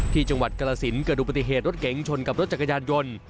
ที่จังหวัดกรสินเกิดดูปฏิเหตุรถเก๋งชนกับรถจักรยานยนต์